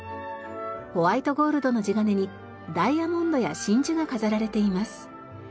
ホワイトゴールドの地金にダイヤモンドや真珠が飾られています。